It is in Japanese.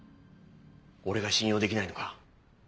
俺が信用できないのか？